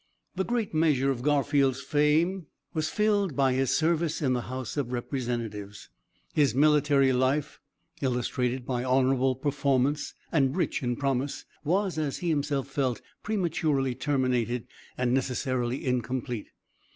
"The great measure of Garfield's fame was filled by his service in the House of Representatives. His military life, illustrated by honorable performance, and rich in promise, was, as he himself felt, prematurely terminated, and necessarily incomplete.